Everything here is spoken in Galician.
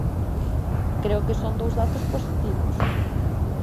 Creo que son dous datos positivos.